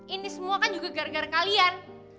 ini semua kan juga gara gara kalian